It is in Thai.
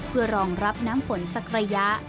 เพื่อรองรับน้ำฝนสักระยะ